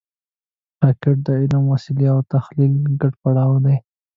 راکټ د علم، وسلې او تخیل ګډ پړاو دی